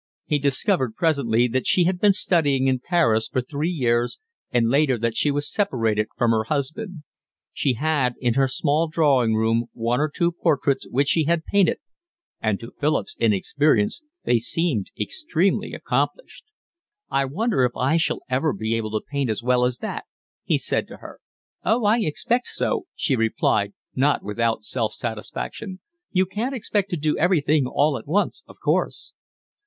He discovered presently that she had been studying in Paris for three years and later that she was separated from her husband. She had in her small drawing room one or two portraits which she had painted, and to Philip's inexperience they seemed extremely accomplished. "I wonder if I shall ever be able to paint as well as that," he said to her. "Oh, I expect so," she replied, not without self satisfaction. "You can't expect to do everything all at once, of course."